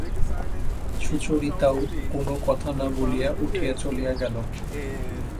সুচরিতাও কোনো কথা না বলিয়া উঠিয়া চলিয়া গেল।